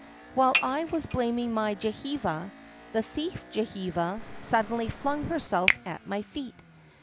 While I was blaming my jihva, the thief Jihva suddenly flung herself at my feet.